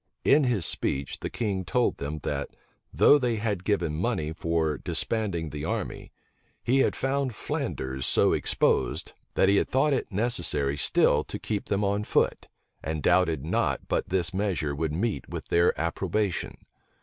In his speech, the king told them, that, though they had given money for disbanding the army,[*] he had found Flanders so exposed, that he had thought it necessary still to keep them on foot, and doubted not but this measure would meet with their approbation.